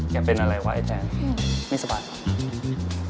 เป็นอะไรวะไอ้แตนไม่สบายเหรอ